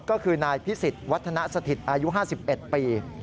ก็คือนายพิสิทธิวัฒนสถิตอายุ๕๑ปี